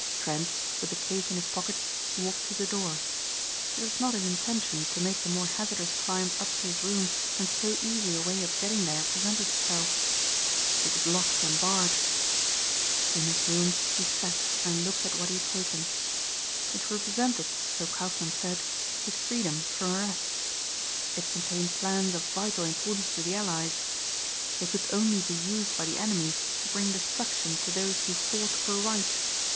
Trent, with the case in his pocket, walked to the door. It was not his intention to make the more hazardous climb up to his room when so easy a way of getting there presented itself. It was locked and barred. In his room he sat and looked at what he had taken. It represented, so Kaufmann said, his freedom from arrest. It contained plans of vital importance to the allies. They could only be used by the enemy to bring destruction to those who fought for right.